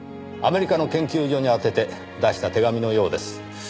アメリカの研究所に宛てて出した手紙のようです。